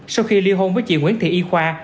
sau khi ly hôn với chị nguyễn thị y khoa